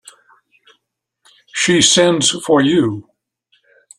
She sends for you.